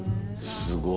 すごい。